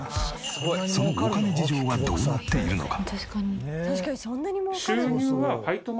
そのお金事情はどうなっているのか？